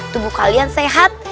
tubuh kalian sehat